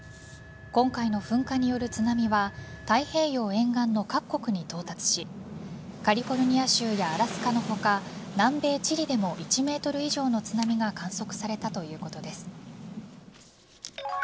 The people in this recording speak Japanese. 今回の噴火による津波は太平洋沿岸の各国に到達しカリフォルニア州やアラスカの他南米・チリでも１ｍ以上の津波が観測されたということです。